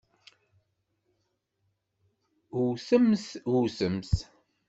Wwtemt! Wwtemt!